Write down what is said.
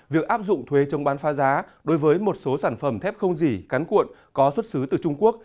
việc áp dụng thuế trong bán pha giá đối với một số sản phẩm thép không dỉ cắn cuộn có xuất xứ từ trung quốc